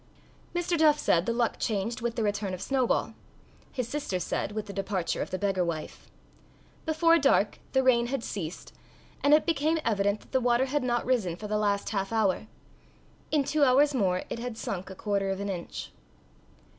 Mr. Duff said the luck changed with the return of Snowball; his sister said, with the departure of the beggar wife. Before dark the rain had ceased, and it became evident that the water had not risen for the last half hour. In two hours more it had sunk a quarter of an inch.